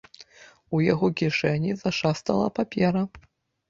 У яго кішэні зашастала папера.